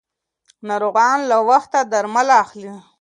ناروغان له وخته درمل اخلي.